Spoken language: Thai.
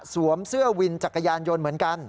เสื้อวินจักรยานยนต์เหมือนกัน